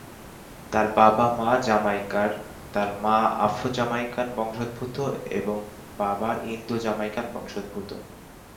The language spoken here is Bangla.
তার বাবা-মা জামাইকার; তার মা আফ্রো-জ্যামাইকান বংশোদ্ভূত, তার বাবা ইন্দো-জামাইকান বংশোদ্ভূত।